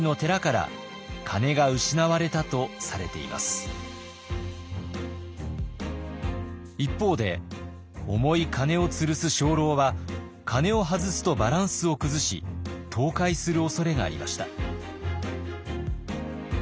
実に一方で重い鐘をつるす鐘楼は鐘を外すとバランスを崩し倒壊するおそれがありました。